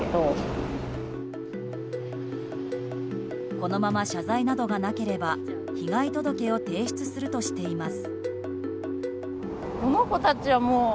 このまま謝罪などがなければ被害届を提出するとしています。